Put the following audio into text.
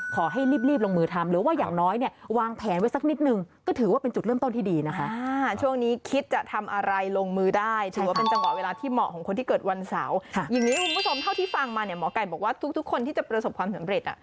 ไก่บอกว่าทุกคนที่จะประสบความสำเร็จ